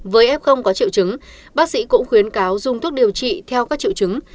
với f có triệu chứng bác sĩ cũng khuyến cáo dùng thuốc điều trị theo các triệu chứng